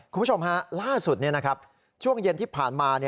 คุณผู้ชมฮะล่าสุดช่วงเย็นที่ผ่านมา